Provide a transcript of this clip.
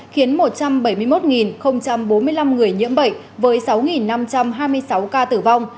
khiến một trăm bảy mươi một bốn mươi năm người nhiễm bệnh với sáu năm trăm hai mươi sáu ca tử vong